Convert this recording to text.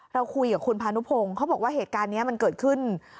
เราคุยกับคุณพานุพงศ์เขาบอกว่าเหตุการณ์นี้มันเกิดขึ้น